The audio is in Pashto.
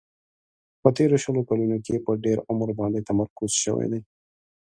په تیرو شلو کلونو کې په ډېر عمر باندې تمرکز شوی دی.